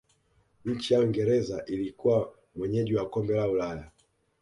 nchi ya uingereza ilikuwa mwenyeji wa kombe la Ulaya